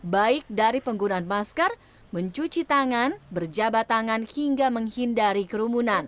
baik dari penggunaan masker mencuci tangan berjabat tangan hingga menghindari kerumunan